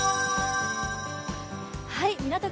港区